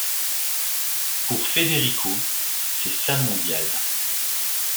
Pour Federico, c'est sa mondiale.